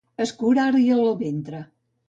Escurar-li el ventre.